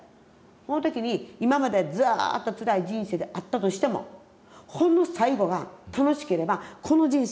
その時に今までずっとつらい人生であったとしてもほんの最後が楽しければこの人生全部忘れられる。